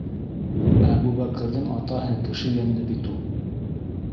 Әбүбәкерҙең атаһы кеше йәнле бит ул!